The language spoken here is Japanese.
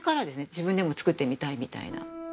自分でも作ってみたいみたいな。